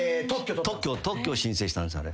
特許を申請したんですあれ。